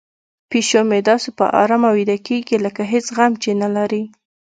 پیشو مې داسې په ارامه ویده کیږي لکه هیڅ غم چې نه لري.